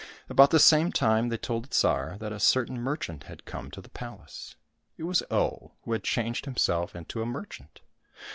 About the same time they told the Tsar that a certain merchant had come to the palace. It was Oh, who had changed himself into a merchant.